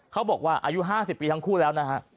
เขาบอกว่าอายุ๕๐ปีทั้งคู่แล้วนะฮะ